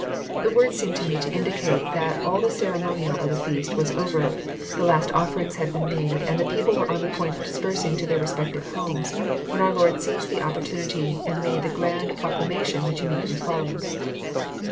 The words seem to me to indicate that all the ceremonial of the feast was over, the last offerings had been made, and the people were on the point of dispersing to their respective homes, when our Lord seized the opportunity, and made the grand proclamation which immedi ately follows.